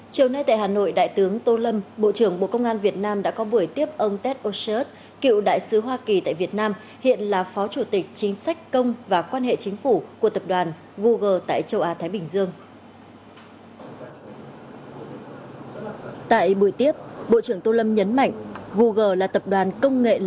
chiều nay tại hà nội đại tướng tô lâm bộ trưởng bộ công an việt nam đã có buổi tiếp ông ted oshert cựu đại sứ hoa kỳ tại việt nam hiện là phó chủ tịch chính sách công và quan hệ chính phủ của tập đoàn google tại châu á thái bình dương